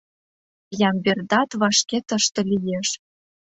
Ямбердат вашке тыште лиеш.